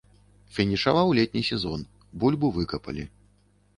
Фінішаваў летні сезон, бульбу выкапалі.